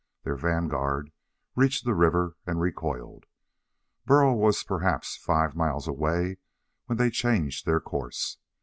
Their vanguard reached the river and recoiled. Burl was perhaps five miles away when they changed their course.